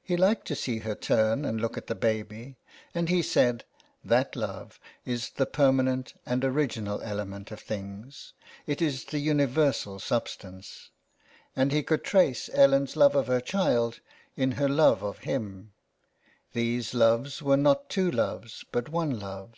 He liked to see her turn and look at the baby, and he said, "That love is the permanent and original element of things, it is the universal substance ;" and he could trace Ellen's love of her child in her love of him ; these loves were not two loves, but one love.